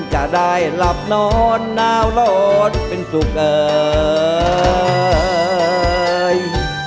จะได้หลับนอนหนาวร้อนเป็นสุขเอ่ย